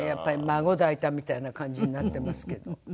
孫抱いたみたいな感じになってますけど。